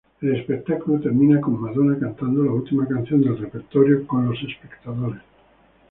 El espectáculo terminaba con Madonna cantando la última canción del repertorio con los espectadores.